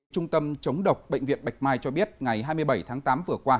trung tâm chống độc bệnh viện bạch mai cho biết ngày hai mươi bảy tháng tám vừa qua